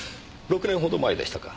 ６年ほど前でしたか。